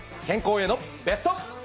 健康へのベスト。